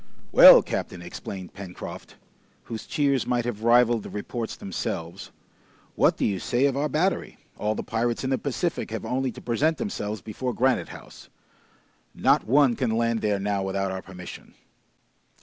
"Well, captain," exclaimed Pencroft, whose cheers might have rivaled the reports themselves, "what do you say of our battery? All the pirates in the Pacific have only to present themselves before Granite House! Not one can land there now without our permission!"